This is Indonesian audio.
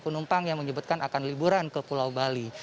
penumpang yang menyebutkan akan liburan ke pulau bali